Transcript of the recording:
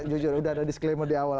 jujur udah ada disclaimer di awal